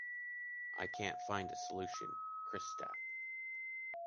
I can’t find a solution, Kristap.